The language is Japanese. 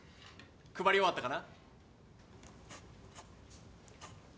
配り終わったかな？